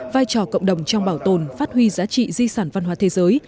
vai trò cộng đồng trong bảo tồn phát huy giá trị di sản văn hóa thế giới